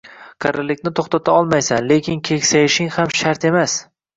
Qarilikni to’xtata olmaysan, lekin keksayishing ham shart emas.